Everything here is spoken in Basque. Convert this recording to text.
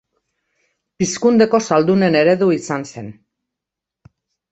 Pizkundeko zaldunen eredu izan zen.